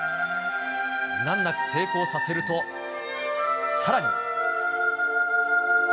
難なく成功させると、さらに。